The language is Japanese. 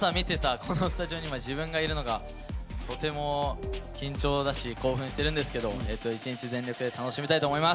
僕は本当、朝みてたこのスタジオに自分がいるのがとても緊張だし興奮してるんですけど、一日全力で楽しみたいと思います。